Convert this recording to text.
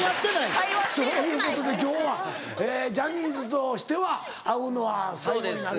そういうことで今日はジャニーズとしては会うのは最後になるということ。